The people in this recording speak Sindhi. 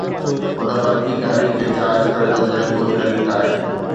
هن برقي گاڏي کي چارج ڪرڻ جو طريقو هن ريت آهي